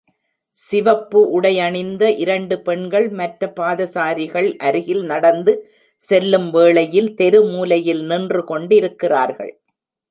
சிவப்பு உடை அணிந்த இரண்டு பெண்கள், மற்ற பாதசாரிகள் அருகில் நடந்து செல்லும் வேளையில், தெரு மூலையில் நின்று கொண்டிருக்கிறார்கள்.